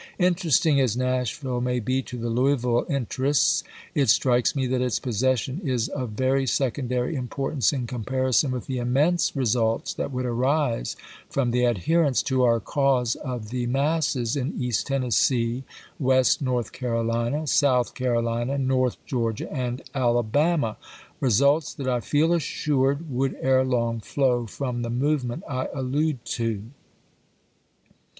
Interesting as Nashville may be to the Louisville interests, it strikes me that its possession is of very secondary importance in com parison with the immense results that would arise from the adherence to our cause of the masses in East Tennessee, West North Carolina, South Caro Mccieiiiin Iih^) North Georgia, and Alabama ; results that I j^. 6"i862. feel assured would ere long flow from the move vii.,p. 531." ment I allude to."